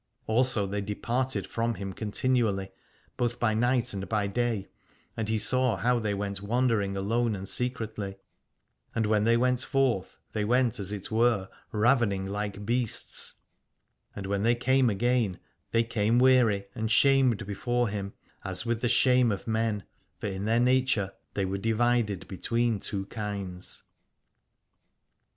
Also they departed from him continually, both by night and by day, and he saw how they went wander ing alone and secretly: and when they went forth they went as it were ravening like beasts, and when they came again they came weary and shamed before him, as with the shame of men, for in their nature they were divided between two kinds.